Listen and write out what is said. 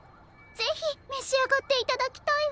ぜひめしあがっていただきたいわ。